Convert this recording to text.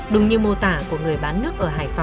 đúng như mô tả của người bán nước